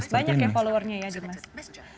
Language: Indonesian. banyak ya followernya ya dimas